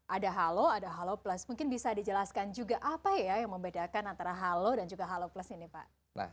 ada halo ada halo plus mungkin bisa dijelaskan juga apa ya yang membedakan antara halo dan juga halo plus ini pak